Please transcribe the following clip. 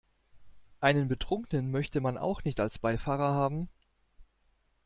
Einen Betrunkenen möchte man auch nicht als Beifahrer haben.